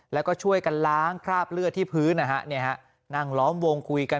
แล้วก็ช่วยกันล้างคราบเลือดที่พื้นนะฮะนั่งล้อมวงคุยกัน